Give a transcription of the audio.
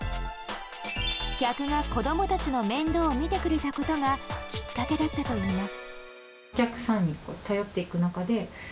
客が子供たちの面倒を見てくれたことがきっかけだったといいます。